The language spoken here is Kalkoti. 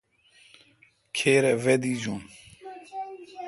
کھیرے وے دیجون۔